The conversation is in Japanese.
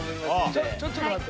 ちょっと待って。